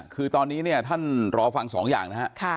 คือตอนนี้เนี่ยท่านรอฟังสองอย่างนะฮะ